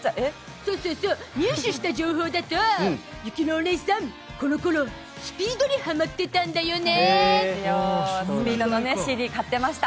そうそう入手した情報だと雪乃おねいさんはこの頃、ＳＰＥＥＤにはまってたんだよね？